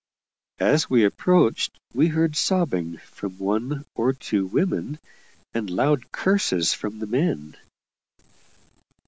As we approached, we heard sobbing from one or two women, and loud curses from the men.